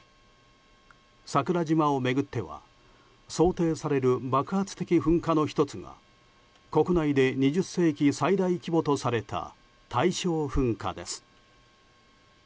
桜島を巡っては想定される爆発的噴火の１つが国内で２０世紀最大規模とされた大正噴火です。